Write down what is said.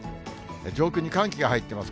上空に寒気が入ってます。